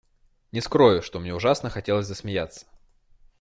Не скрою, что мне ужасно хотелось засмеяться.